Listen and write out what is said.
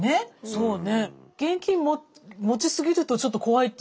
そうね。